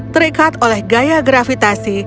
terikat oleh gaya gravitasi